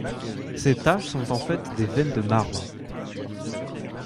Ces taches sont en fait des veines de marbre.